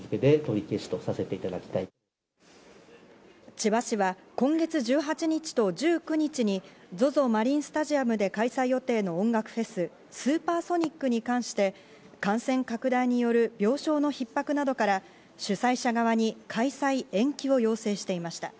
千葉市は今月１８日と１９日にＺＯＺＯマリンスタジアムで開催予定の音楽フェス、スーパーソニックに関して、感染拡大による病床の逼迫などから主催者側に開催延期を要請していました。